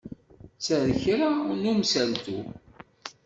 Tter kra n umsaltu.